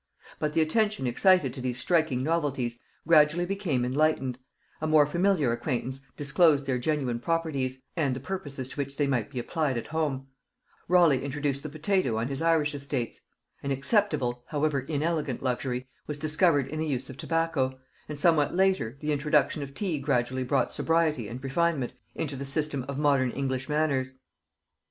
But the attention excited to these striking novelties gradually became enlightened; a more familiar acquaintance disclosed their genuine properties, and the purposes to which they might be applied at home; Raleigh introduced the potatoe on his Irish estates; an acceptable however inelegant luxury was discovered in the use of tobacco; and somewhat later, the introduction of tea gradually brought sobriety and refinement into the system of modern English manners.